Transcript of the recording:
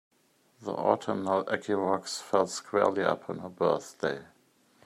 The autumnal equinox fell squarely upon her birthday.